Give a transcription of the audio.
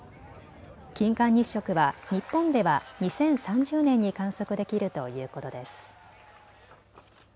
金環日食は日本では２０３０年に観測できるということです。